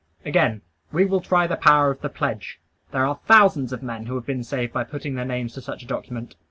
Again: we will try the power of the pledge. There are thousands of men who have been saved by putting their names to such a document.